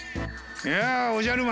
やあおじゃる丸。